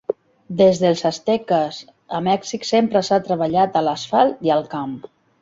Des dels Asteques, a Mèxic sempre s'ha treballat a l'asfalt i el camp.